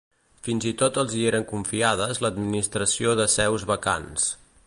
Fins i tot els hi eren confiades l'administració de seus vacants.